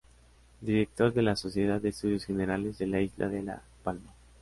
Director de la Sociedad de Estudios Generales de la isla de La Palma.